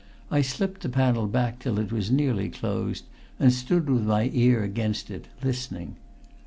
I slipped the panel back till it was nearly closed, and stood with my ear against it, listening.